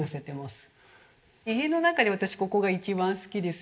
家の中で私ここが一番好きです。